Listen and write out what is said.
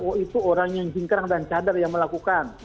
oh itu orang yang jingkrang dan cadar yang melakukan